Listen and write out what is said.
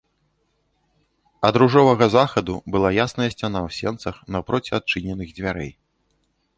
Ад ружовага захаду была ясная сцяна ў сенцах, напроці адчыненых дзвярэй.